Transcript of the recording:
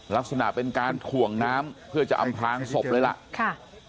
ลักษณะเป็นการถ่วงน้ำเพื่อจะอำพลางศพเลยล่ะค่ะ